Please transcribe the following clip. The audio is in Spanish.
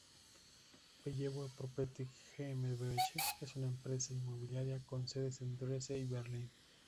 Bellevue Property GmbH es una empresa inmobiliaria con sedes en Dresde y Berlín.